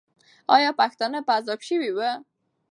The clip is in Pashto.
آیا پښتانه په عذاب سوي وو؟